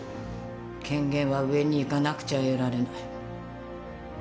権限は上に行かなくちゃ得られない。